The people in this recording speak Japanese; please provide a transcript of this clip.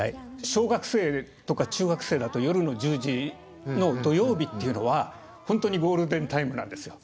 小学生とか中学生だと夜の１０時の土曜日っていうのは本当にゴールデンタイムなんですよ。